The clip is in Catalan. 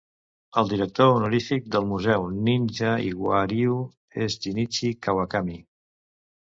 El director honorífic del Museu Ninja Iga-ryu és Jinichi Kawakami.